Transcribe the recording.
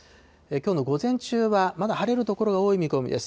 きょうの午前中は、まだ晴れる所が多い見込みです。